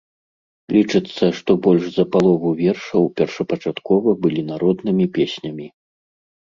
Лічыцца, што больш за палову вершаў першапачаткова былі народнымі песнямі.